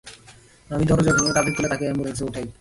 আমি দরজা ভেঙ্গে কাধে তুলে, তাকে অ্যাম্বুলেন্সে উঠাই।